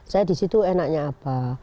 saya disitu enaknya apa